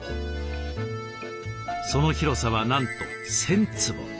その広さはなんと１，０００坪。